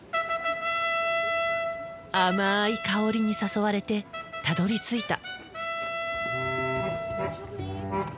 甘い香りに誘われてたどりついた。